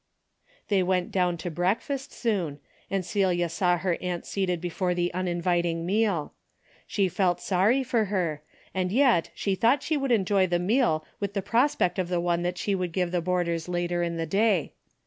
They went down to breakfast soon, and Celia saw her aunt seated before the uninvit ing meal. She felt sorry for her, and yet she thought she would enjoy the meal with the prospect of the one she would give the board ers later in the day.